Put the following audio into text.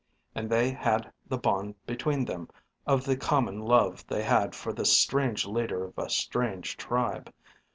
And they had the bond between them of the common love they had for this strange leader of a strange tribe.